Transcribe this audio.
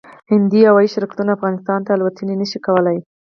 هندي هوايي شرکتونه افغانستان ته الوتنې نشي کولای